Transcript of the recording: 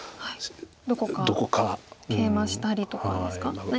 どこかケイマしたりとかですか何か。